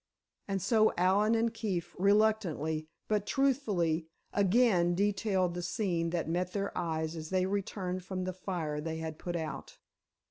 And so Allen and Keefe reluctantly, but truthfully, again detailed the scene that met their eyes as they returned from the fire they had put out.